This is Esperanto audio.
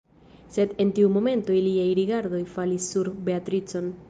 Sed en tiu momento iliaj rigardoj falis sur Beatricon.